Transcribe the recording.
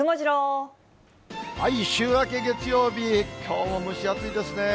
週明け月曜日、きょうも蒸し暑いですね。